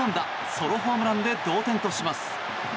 ソロホームランで同点とします。